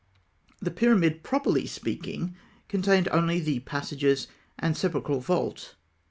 The pyramid, properly speaking, contained only the passages and sepulchral vault.